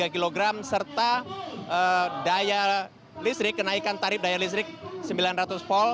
dan menurut buruh keadaan listrik kenaikan tarif daya listrik sembilan ratus v